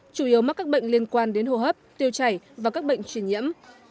chủ yếu mắc các bệnh liên quan đến hô hấp tiêu chảy và các bệnh truyền nhiễm